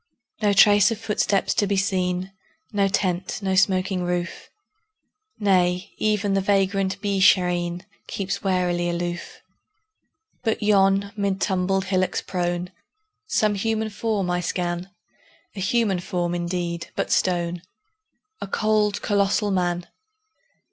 No trace of footsteps to be seen, No tent, no smoking roof; Nay, even the vagrant Beeshareen Keeps warily aloof. But yon, mid tumbled hillocks prone, Some human form I scan A human form, indeed, but stone: A cold, colossal Man!